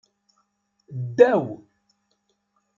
Ddaw.